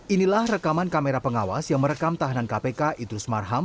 inilah rekaman kamera pengawas yang merekam tahanan kpk idrus marham